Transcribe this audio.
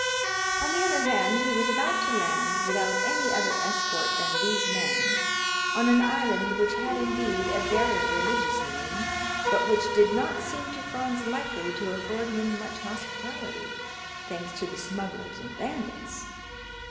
On the other hand, he was about to land, without any other escort than these men, on an island which had, indeed, a very religious name, but which did not seem to Franz likely to afford him much hospitality, thanks to the smugglers and bandits.